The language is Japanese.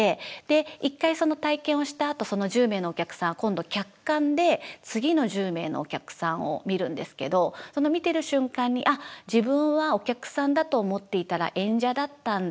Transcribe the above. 一回その体験をしたあとその１０名のお客さんは今度客観で次の１０名のお客さんを見るんですけどその見てる瞬間に「あっ自分はお客さんだと思っていたら演者だったんだ」っていう。